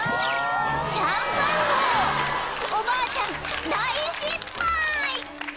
［おばあちゃん大失敗］